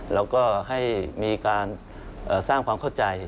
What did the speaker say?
แล้วก็ให้มีการสร้างความเข้าใจ